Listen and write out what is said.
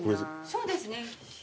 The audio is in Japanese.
そうですね。